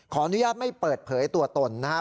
ขออนุญาตไม่เปิดเผยตัวตนนะครับ